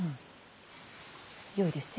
よいですよ。